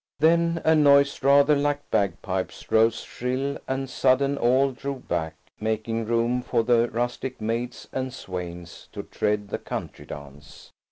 Then a noise rather like bagpipes rose shrill and sudden, and all drew back, making room for the rustic maids and swains to tread the country dance.